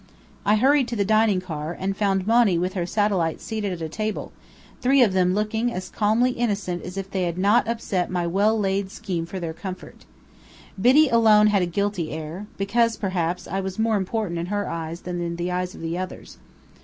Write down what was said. I hurried to the dining car, and found Monny with her satellites seated at a table, three of them looking as calmly innocent as if they had not upset my well laid scheme for their comfort. Biddy alone had a guilty air, because, perhaps, I was more important in her eyes than in the eyes of the others.